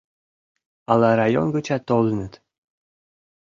Ала район гычат толыныт?